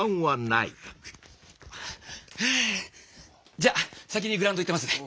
じゃあ先にグラウンド行ってますね！